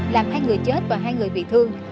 làm hai người chết và hai người bị thương